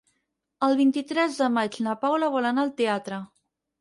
El vint-i-tres de maig na Paula vol anar al teatre.